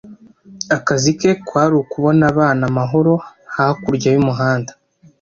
Akazi ke kwari ukubona abana amahoro hakurya y'umuhanda.